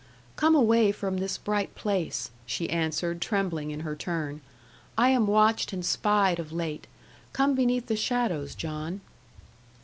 'Come away from this bright place,' she answered, trembling in her turn; 'I am watched and spied of late. Come beneath the shadows, John.'